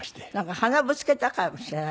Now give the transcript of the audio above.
鼻ぶつけたかもしれない。